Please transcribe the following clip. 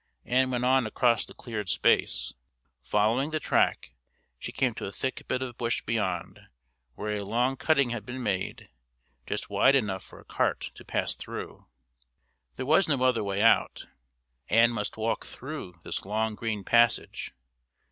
Ann went on across the cleared space. Following the track, she came to a thick bit of bush beyond, where a long cutting had been made, just wide enough for a cart to pass through. There was no other way out; Ann must walk through this long green passage.